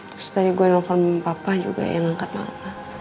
terus tadi gue nelfon bim papa juga yang angkat mama